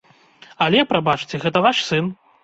Але, прабачце, гэта ваш сын.